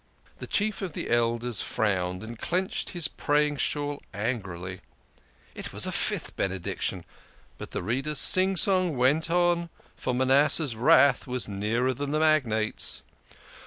The Chief of the Elders frowned and clenched his praying shawl angrily. It was a fifth Benediction ! But the Reader's sing song went on, for Manas seh's wrath was nearer than the magnate's.